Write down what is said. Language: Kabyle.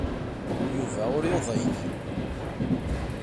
Yuba ur yuḍin.